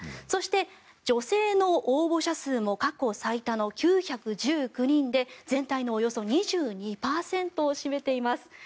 そして、女性の応募者数も過去最多の９１９人で全体のおよそ２２％を占めています。